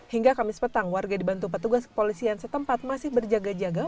hingga kamis petang warga dibantu petugas kepolisian setempat masih berjaga jaga